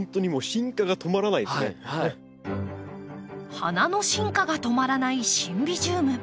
花の進化が止まらないシンビジウム。